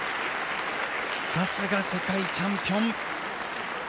さすが、世界チャンピオン。